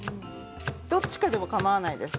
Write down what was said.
どちらかでもかまわないです。